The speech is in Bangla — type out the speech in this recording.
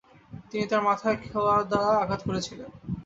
তিনি তাঁর মাথায় খোয়া দ্বারা আঘাত করেছিলেন।